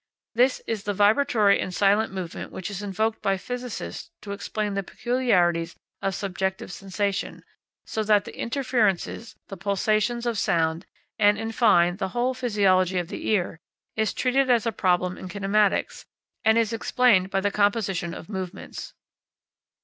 This is the vibratory and silent movement which is invoked by physicists to explain the peculiarities of subjective sensation; so that the interferences, the pulsations of sound, and, in fine, the whole physiology of the ear, is treated as a problem in kinematics, and is explained by the composition of movements.